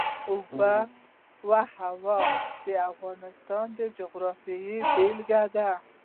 آب وهوا د افغانستان د جغرافیې بېلګه ده.